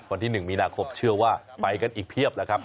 วันที่๑มีนาคมเชื่อว่าไปกันอีกเพียบแล้วครับ